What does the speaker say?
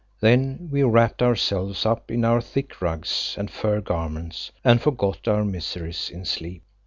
Then we wrapped ourselves up in our thick rugs and fur garments and forgot our miseries in sleep.